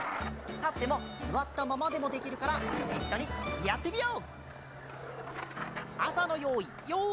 たってもすわったままでもできるからいっしょにやってみよう！